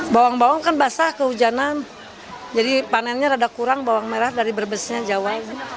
bawang bawang kan basah kehujanan jadi panennya rada kurang bawang merah dari brebesnya jawa